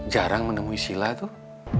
jarang menemui sila tuh